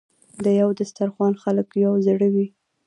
د یو دسترخان خلک یو زړه وي.